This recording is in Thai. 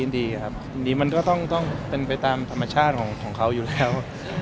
ดีครับดีมันก็ต้องเป็นไปตามธรรมชาติของเขาอยู่แล้ว